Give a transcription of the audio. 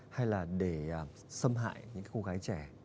hay là để xâm hại những cô gái trẻ